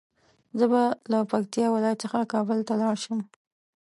زه به له پکتيا ولايت څخه کابل ته لاړ شم